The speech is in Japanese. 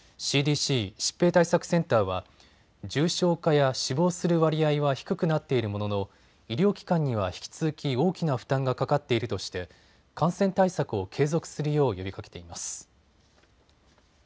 ＣＤＣ・疾病対策センターは重症化や死亡する割合は低くなっているものの医療機関には引き続き大きな負担がかかっているとして感染対策を継続するよう呼びかけています。